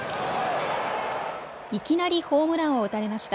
いきなりホームランを打たれました。